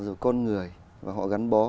rồi con người và họ gắn bó